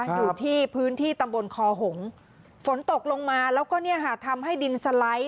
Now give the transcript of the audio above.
อยู่ที่พื้นที่ตำบลคอหงฝนตกลงมาแล้วก็เนี่ยค่ะทำให้ดินสไลด์